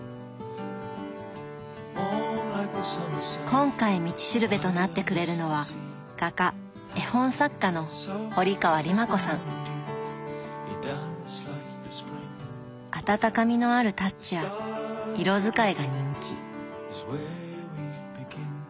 今回「道しるべ」となってくれるのはあたたかみのあるタッチや色使いが人気。